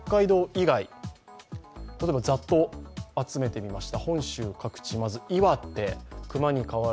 以外、例えばざっと集めてみました。